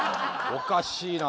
おかしいな。